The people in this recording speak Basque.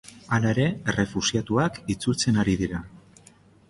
Hala ere, errefuxiatuak itzultzen ari dira.